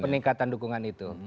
peningkatan dukungan itu